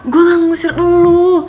gua gak ngusir lu